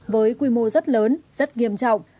với quy mô rất lớn rất nghiêm trọng